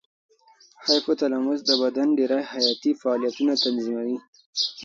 هایپو تلاموس د بدن ډېری حیاتي فعالیتونه تنظیموي.